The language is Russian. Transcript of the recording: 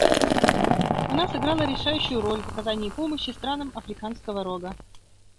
Она сыграла решающую роль в оказании помощи странам Африканского Рога.